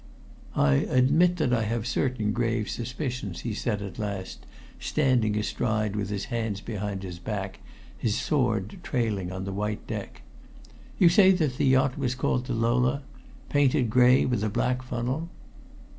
"I admit that I have certain grave suspicions," he said at last, standing astride with his hands behind his back, his sword trailing on the white deck. "You say that the yacht was called the Lola painted gray with a black funnel."